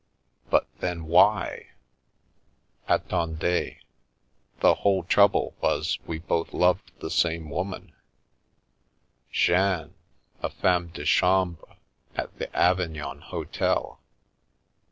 44 Hut then, why ?" 44 Attendez. The whole trouble was we both loved the same woman — Jeanne, a femme de chambre at the Avig non hotel.